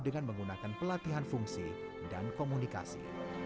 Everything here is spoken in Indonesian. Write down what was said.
dengan menggunakan pelatihan fungsi dan komunikasi